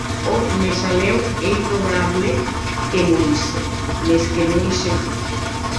O mèsalèu ei probable que morisse, mès que non ei segur.